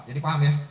jadi paham ya